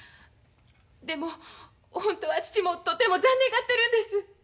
でも本当は父もとても残念がってるんです。